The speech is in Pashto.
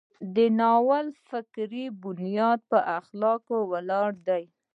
د ناول فکري بنیاد په اخلاقو ولاړ دی.